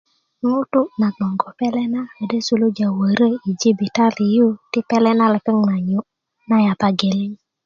ŋutu' na gboŋ ko pele' na kodo suluja wörö i jibitalia yu ti pele lepeŋ na nyu' na yapa geleŋ